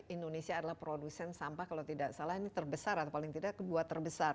indonesia adalah produsen sampah kalau tidak salah ini terbesar atau paling tidak kedua terbesar